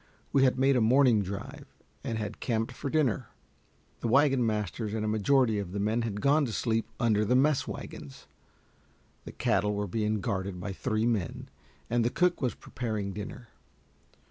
We had made a morning drive, and had camped for dinner. The wagon masters and a majority of the men had gone to sleep under the mess wagons. The cattle were being guarded by three men, and the cook was preparing dinner.